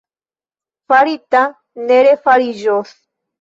Farita ne refariĝos.